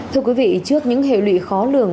thưa quý vị trước những hệ lụy khó lường